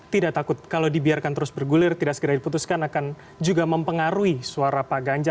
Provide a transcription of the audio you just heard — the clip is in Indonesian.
tidak takut kalau dibiarkan terus bergulir tidak segera diputuskan akan juga mempengaruhi suara pak ganjar